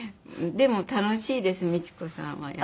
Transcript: でも楽しいですミチコさんは。